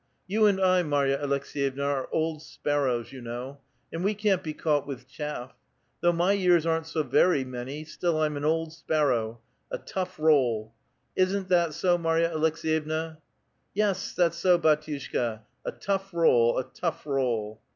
"You and I, Marya Aleks6 yevna, are old sparrows, you know ; and we can't be caught with chaff. Though my years aren't so very many, still I'm an old sparrow, a tough roll [kalatch^. Isn't that so, Marya Aleks^yevna?" " Yes, that's so, bdtiushka, a tough roll, a tough roll